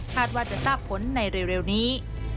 ว่าจะทราบผลในเร็วนี้